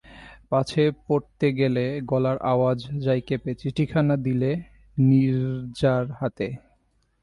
পাছে পড়তে গেলে গলার আওয়াজ যায় কেঁপে, চিঠিখানা দিলে নীরজার হাতে।